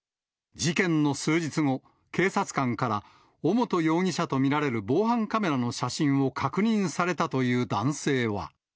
事件の数日後、警察官から、尾本容疑者と見られる防犯カメラの写真を確認されたという男性は。